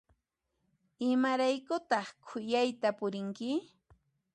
Imaraykutaq khuyayta purinki?